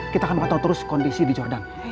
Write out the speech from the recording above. kita akan pantau terus kondisi di jordan